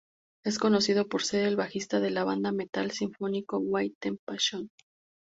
Es conocido por ser el bajista de la banda de metal sinfónico Within Temptation.